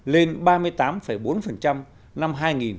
lên ba mươi tám bốn năm hai nghìn một mươi bảy